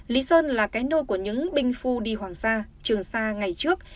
lý sơn là cái nôi của những binh phu đi hoàng sa trường sa ngày trước